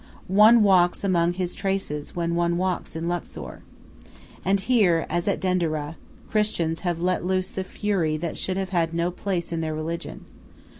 One walks among his traces when one walks in Luxor. And here, as at Denderah, Christians have let loose the fury that should have had no place in their religion.